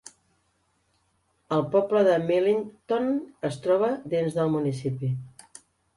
El poble de Millington es troba dins del municipi.